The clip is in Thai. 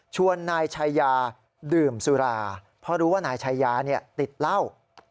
นายชายาดื่มสุราเพราะรู้ว่านายชายาติดเหล้า